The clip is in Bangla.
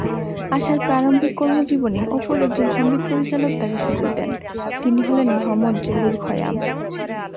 আশার প্রারম্ভিক কর্মজীবনে অপর একজন সঙ্গীত পরিচালক তাঁকে সুযোগ দেন, তিনি হলেন মোহাম্মদ জহুর খৈয়াম।